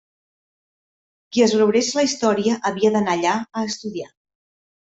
Qui es valorés la història havia d’anar allà a estudiar.